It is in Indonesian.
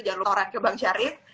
jangan lupa orang ke bang syarif